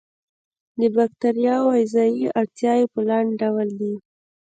د باکتریاوو غذایي اړتیاوې په لاندې ډول دي.